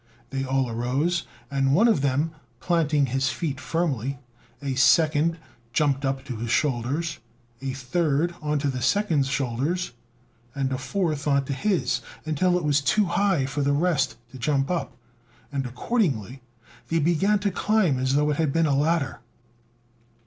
They all arose, and one of them planting his feet firmly, a second jumped up on to his shoulders, a third on to the second's shoulders, and a fourth on to his, until it was too high for the rest to jump up, and accordingly they began to climb as though it had been a ladder.